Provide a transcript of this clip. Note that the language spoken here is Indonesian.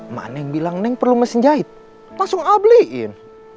mane bilang neng perlu mesin jahit langsung abliin